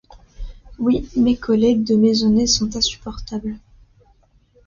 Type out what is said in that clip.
Oui mes collègues de maisonnée sont insupportables.